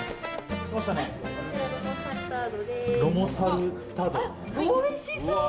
あっおいしそう！